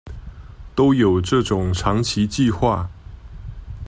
都有這種長期計畫